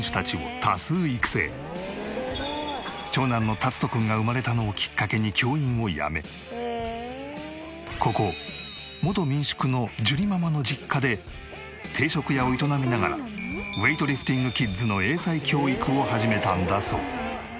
長男のタツト君が生まれたのをきっかけに教員を辞めここ元民宿の樹里ママの実家で定食屋を営みながらウエイトリフティングキッズの英才教育を始めたんだそう。